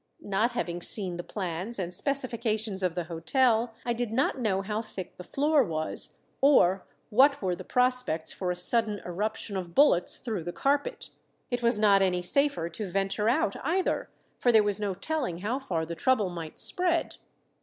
Not having seen the plans and specifications of the hotel, I did not know how thick the floor was, or what were the prospects for a sudden eruption of bullets through the carpet. It was not any safer to venture out either; for there was no telling how far the trouble might spread.